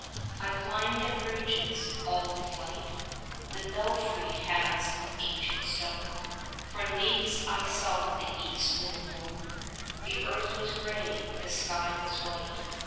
30 I climbed at Bruges all the flight The Belfry has of ancient stone. For leagues I saw the east wind blown: The earth was grey, the sky was white.